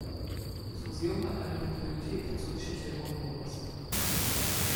Das Museum hat eine Bibliothek zur Geschichte Honduras.